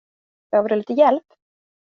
Behöver du lite hjälp?